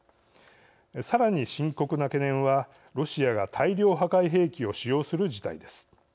さらに深刻な懸念はロシアが大量破壊兵器を使用する事態です。